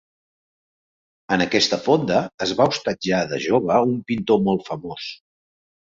En aquesta fonda es va hostatjar de jove un pintor molt famós.